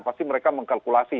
pasti mereka mengkalkulasi